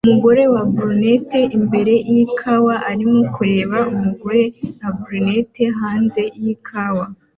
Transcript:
Umugore wa brunette imbere yikawa arimo kureba umugore wa brunette hanze yikawa